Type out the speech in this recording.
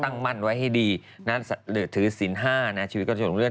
ตั้งมั่นไว้ให้ดีหรือถือศิลป์ห้านะชีวิตการชนทุกเรื่อง